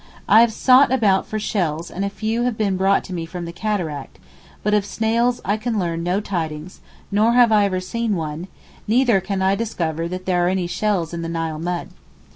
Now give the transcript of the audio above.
I have sought about for shells and a few have been brought me from the Cataract, but of snails I can learn no tidings nor have I ever seen one, neither can I discover that there are any shells in the Nile mud.